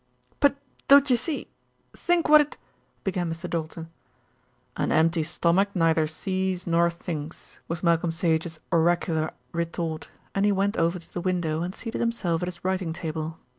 "But don't you see Think what it " began Mr. Doulton. "An empty stomach neither sees nor thinks," was Malcolm Sage's oracular retort, and he went over to the window and seated himself at his writing table.